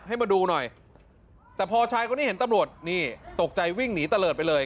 ให้มาดูหน่อยแต่พอชายคนนี้เห็นตำรวจนี่ตกใจวิ่งหนีตะเลิศไปเลย